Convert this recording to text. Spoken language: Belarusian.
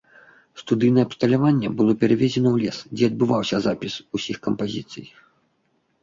Студыйнае абсталяванне было перавезена ў лес, дзе і адбываўся запіс усіх кампазіцый.